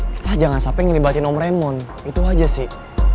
kita jangan sampai ngelibatin om raymond itu aja sih